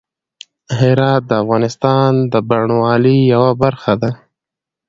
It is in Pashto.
هرات د افغانستان د بڼوالۍ یوه برخه ده.